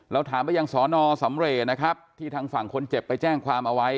แล้วถามไปยังสอนอสำเรทที่ทางฝั่งคนเจ็บไปแจ้งความเอาไว้